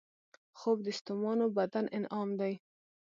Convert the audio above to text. خوب د ستومانو بدن انعام دی